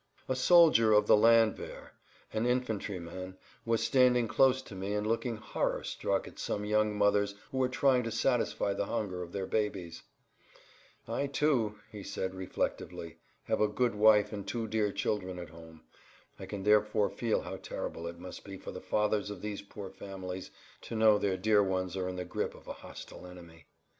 A soldier of the landwehr, an infantryman, was standing close to me and looked horror struck at some young mothers who were trying to satisfy the hunger of their babes. "I, too," he said reflectively, "have a good wife and two dear children at home. I can therefore feel how terrible it must be for the fathers of these poor families to know their dear ones are in the grip of a hostile army.